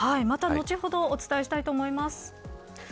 また後ほどお伝えしたいと思います。